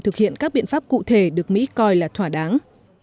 thực hiện các biện pháp cụ thể được mỹ coi là thỏa đáng